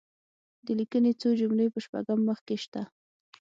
د لیکني څو جملې په شپږم مخ کې شته.